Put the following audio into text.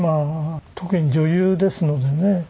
特に女優ですのでね